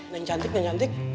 neng cantik neng cantik